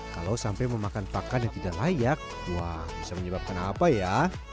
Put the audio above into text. kalau sampai memakan pakan yang tidak layak wah bisa menyebabkan apa ya